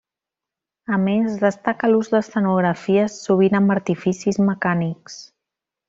A més, destaca l'ús d'escenografies sovint amb artificis mecànics.